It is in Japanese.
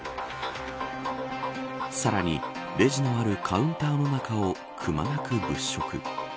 さらに、レジのあるカウンターの中をくまなく物色。